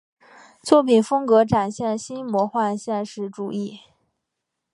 作品风格展现新魔幻现实主义。